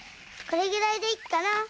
これぐらいでいいかな。